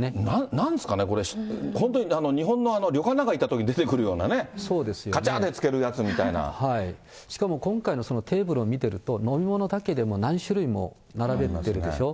なんですかね、これ、本当に日本の旅館なんかに行ったときに出てくるようなね、がちゃしかも今回のテーブルを見てると、飲み物だけでも何種類も並べてるでしょ。